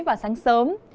và sáng sớm